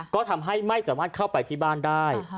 ก็ทำให้ไม่สามารถเข้าไปที่บ้านได้